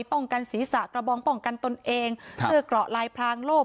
กันศีรษะกระบองป้องกันตนเองเสื้อเกราะลายพรางโลก